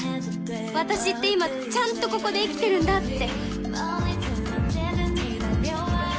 私って今ちゃんとここで生きてるんだって